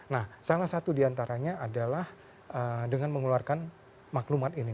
nah salah satu diantaranya adalah dengan mengeluarkan maklumat ini